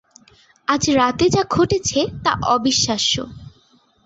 আজ রাতে যা ঘটেছে তা অবিশ্বাস্য।